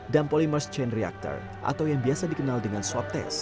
dan polymer chain reactor atau yang biasa dikenal dengan swap test